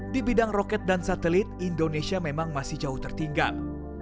di bidang roket dan satelit indonesia memang masih jauh tertinggal